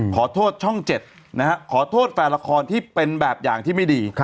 ขอโทษช่อง๗นะฮะขอโทษแฟนละครที่เป็นแบบอย่างที่ไม่ดี